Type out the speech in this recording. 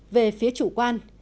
về phía chủ quan